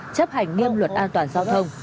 chấp hành nghiêm luật an toàn giao thông